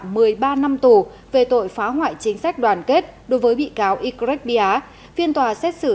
một mươi ba năm tù về tội phá hoại chính sách đoàn kết đối với bị cáo ycret bia phiên tòa xét xử